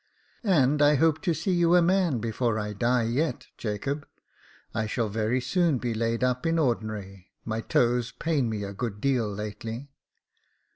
And I hope to see you a man before I die, yet, Jacob. I shall very soon be laid up in ordinary — my toes pain me a good deal lately